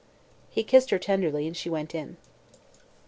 He kissed her tenderly and she went in.